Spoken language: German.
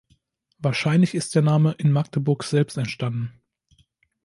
Wahrscheinlich ist der Name in Magdeburg selbst entstanden.